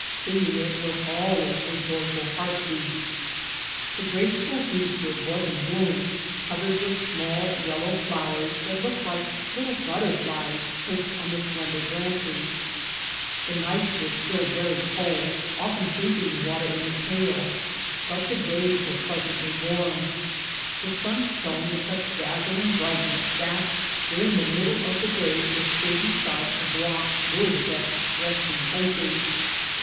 Seeing it was always a joyful heart beat. The graceful greasewood was in bloom, covered with small yellow flowers that looked like little butterflies perched on the slender branches. The nights were still very cold, often freezing the water in The Mountain Spring the pail, but the days were pleasantly warm. The sun shone with such dazzling brightness that during the middle of the day the shady sides of rocks were the best resting places.